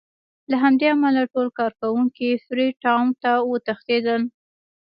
له همدې امله ټول کارکوونکي فري ټاون ته وتښتېدل.